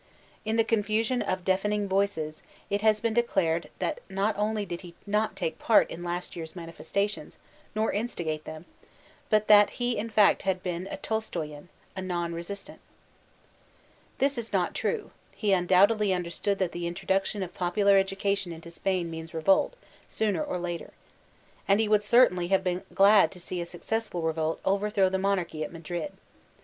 In the confusion of deafening voices, it has been de dared that not only did he not take part in last year's manifestations, nor instigate them ; but that he in fact had become a Tolstoyan, a non resbtant This is not true: he undoubtedly understood that the introduction of popular education into Spain means re volt, sooner or later. And he would certainly have been glad to see a successful revolt overthrow the monarchy at Madrid.